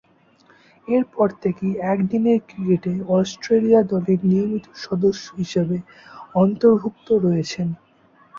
এরপর থেকেই একদিনের ক্রিকেটে অস্ট্রেলিয়া দলের নিয়মিত সদস্য হিসেবে অন্তর্ভুক্ত রয়েছেন।